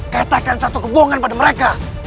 katakan satu kebohongan pada mereka